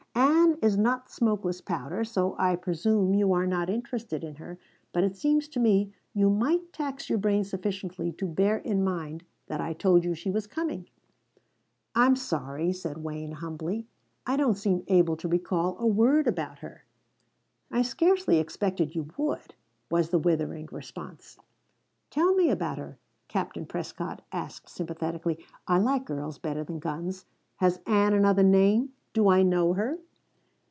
Ann is not smokeless powder, so I presume you are not interested in her, but it seems to me you might tax your brain sufficiently to bear in mind that I told you she was coming!" "I'm sorry," said Wayne humbly. "I don't seem able to recall a word about her." "I scarcely expected you would," was the withering response. "Tell me about her," Captain Prescott asked sympathetically. "I like girls better than guns. Has Ann another name? Do I know her?"